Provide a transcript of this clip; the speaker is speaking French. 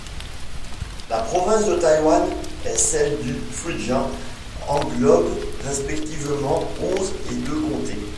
La province de Taïwan et celle du Fujian englobent respectivement onze et deux comtés.